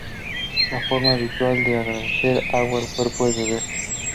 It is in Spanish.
La forma habitual de agregar agua al cuerpo es beber.